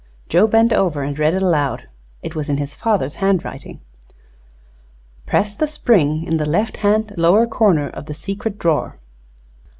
Joe bent over and read it aloud. It was in his father's handwriting. "'Press the spring in the left hand lower corner of the secret drawer.'"